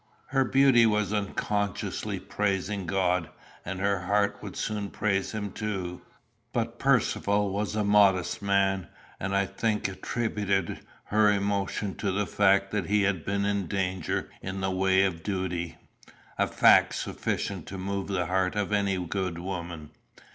Her beauty was unconsciously praising God, and her heart would soon praise him too. But Percivale was a modest man, and I think attributed her emotion to the fact that he had been in danger in the way of duty, a fact sufficient to move the heart of any good woman.